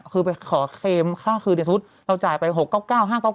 คือไปขอเทรมค่าคืนสมมุติเราจ่ายไป๖๙๙๕๙๙อะไรอย่างนี้